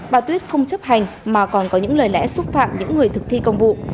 bà tuyết không chấp hành mà còn có những lời lẽ xúc phạm những người thực thi công vụ